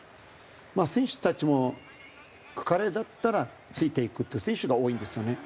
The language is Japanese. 選手たちも彼だったらついていくっていう選手が多いんですよね。